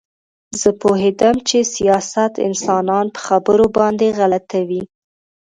زه پوهېدم چې سیاست انسانان په خبرو باندې غلطوي